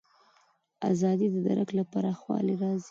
ازادي د درک له پراخوالي راځي.